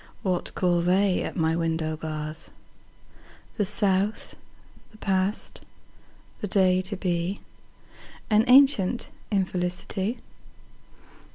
What call they at my window bars? The South, the past, the day to be, An ancient infelicity.